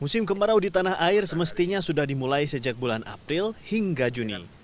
musim kemarau di tanah air semestinya sudah dimulai sejak bulan april hingga juni